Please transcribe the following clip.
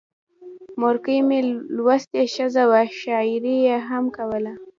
مورکۍ مې لوستې ښځه وه، شاعري یې هم کوله.